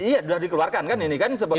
iya sudah dikeluarkan kan ini kan